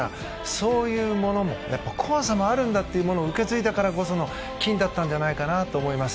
そういうものも、やっぱり怖さもあるんだっていうのも受け継いだからこその金だったんじゃないかと思います。